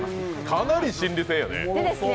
かなり心理戦やね。